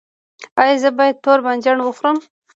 ایا زه باید تور بانجان وخورم؟